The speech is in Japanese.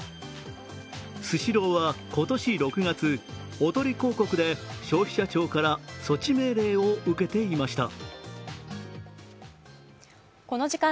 スシローは今年６月、おとり広告で消費者庁から措置命令を受けていました。